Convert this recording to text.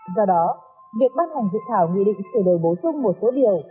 do đó việc ban hành dự thảo nghị định sửa đổi bổ sung một số điều